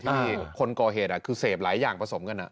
คนก่อเหตุคือเสพหลายอย่างผสมกัน